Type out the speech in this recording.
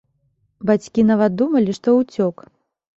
Бацькі нават думалі, што ўцёк!